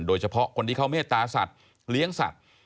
โดยเฉพาะคนที่เขาเมตตาสัตว์เลี้ยงสัตว์